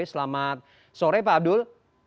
selamat sore pak abdul